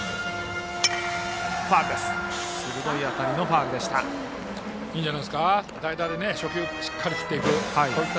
鋭い当たりのファウルでした。